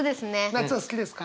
夏は好きですか？